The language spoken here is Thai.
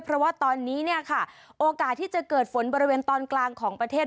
เพราะว่าตอนนี้เนี่ยค่ะโอกาสที่จะเกิดฝนบริเวณตอนกลางของประเทศ